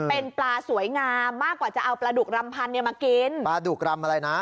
เป็นปลาสวยงามมากกว่าจะเอาปลาดุกรำพันธ์เนี่ยมากินปลาดุกรำอะไรนะ